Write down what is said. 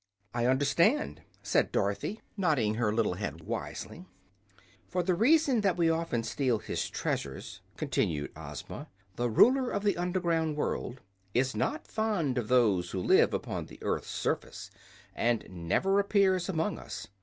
"I understand," said Dorothy, nodding her little head wisely. "For the reason that we often steal his treasures," continued Ozma, "the Ruler of the Underground World is not fond of those who live upon the earth's surface, and never appears among us.